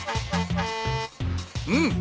うん。